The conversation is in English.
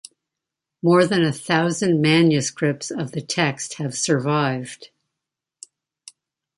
More than a thousand manuscripts of the text have survived.